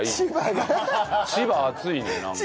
千葉熱いねなんか。